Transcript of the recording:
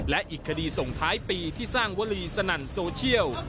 และอีกคดีส่งท้ายปีที่สร้างวลีสนั่นโซเชียล